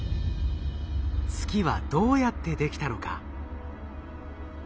月はどうやってできたのか？